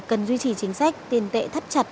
cần duy trì chính sách tiền tệ thấp chặt